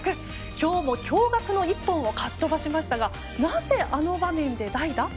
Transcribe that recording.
今日も驚愕の一本をかっ飛ばしましたがなぜ、あの場面で代打？